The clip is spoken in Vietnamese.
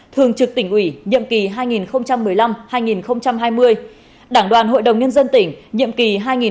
thường trực tỉnh ủy nhiệm kỳ hai nghìn một mươi năm hai nghìn hai mươi đảng đoàn hội đồng nhân dân tỉnh nhiệm kỳ hai nghìn một mươi sáu hai nghìn hai mươi một